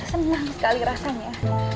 senang sekali rasanya